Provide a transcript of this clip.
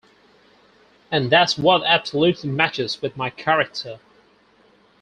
And that's what absolutely matches with my character.